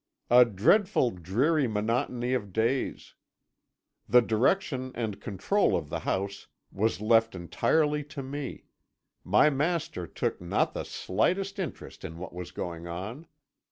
"A dreadful, dreary monotony of days. The direction and control of the house was left entirely to me; my master took not the slightest interest in what was going on.